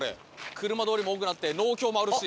車通りも多くなって農協もあるし。